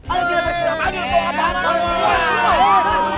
ala dia yang bersinap